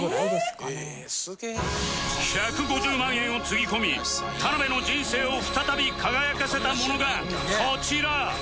１５０万円をつぎ込み田辺の人生を再び輝かせたものがこちら！